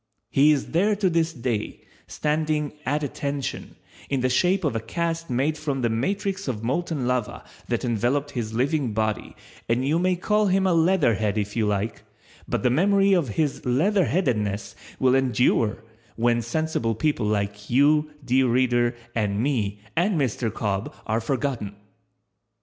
He is there to this day, standing "at attention," in the shape of a cast made from the matrix of molten lava that enveloped his living body and you may call him a leatherhead if you like, but the memory of his leatherheadedness will endure when sensible people like you, dear reader, and me and Mr. Cobb are forgotten.